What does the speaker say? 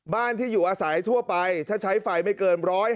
บ้านที่อยู่อาศัยทั่วไปถ้าใช้ไฟไม่เกิน๑๐๐